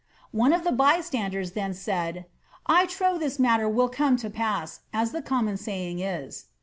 S8T One of the bystanders then said, ^ I trow this matter will come to pass, as the common saying is."